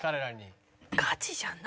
ガチじゃん。